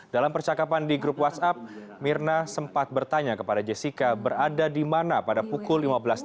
dalam percakapan di grup whatsapp mirna sempat bertanya kepada jessica berada di mana pada pukul lima belas tiga puluh